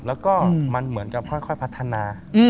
แล้วก็มันเหมือนกับค่อยพัฒนา